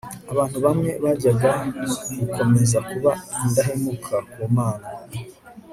abantu bamwe bajyaga gukomeza kuba indahemuka ku Mana